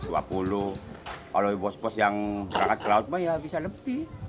kalau bos bos yang berangkat ke laut mbak ya bisa lebih